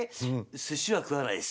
「すしは食わないです。